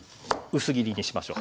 薄切りにしましょ。